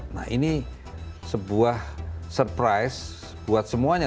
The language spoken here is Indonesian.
nah ini sebuah surprise buat semuanya